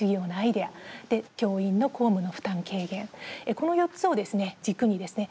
この４つをですね、軸にですね